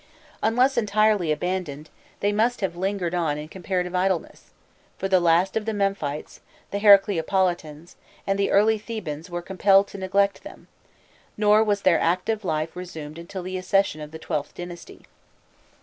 Unless entirely abandoned, they must have lingered on in comparative idleness; for the last of the Memphites, the Heracleopohtans, and the early Thebans were compelled to neglect them, nor was their active life resumed until the accession of the XIIth dynasty.